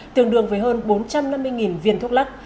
tương đương với hơn bốn trăm năm mươi viên thuốc lắc